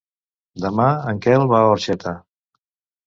Demà en Quel va a Orxeta.